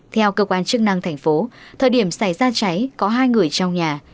theo cơ quan chức năng thành phố thời điểm xảy ra cháy có hai người trong nhà